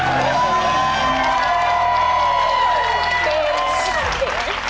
ปิ๊นสุดยอดเก่ง